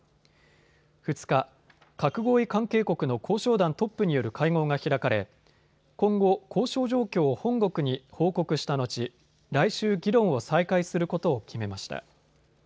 ２日、核合意関係国の交渉団トップによる会合が開かれ今後、交渉状況を本国に報告した後、来週、議論を再開することを決めました。